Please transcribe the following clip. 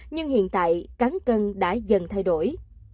nhưng hiện tại cán cân đã dần thay đổi